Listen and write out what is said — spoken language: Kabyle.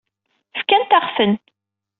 Fkant-aɣ-ten.